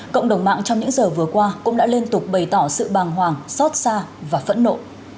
cộng đồng mạng trong những giờ vừa qua cũng đã liên tục bày tỏ sự bàng hoàng xót xa và phẫn nộ